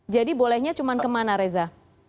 jadi bolehnya cuma kemana reza